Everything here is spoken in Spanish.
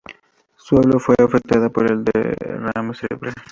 Su habla fue afectada por el derrame cerebral.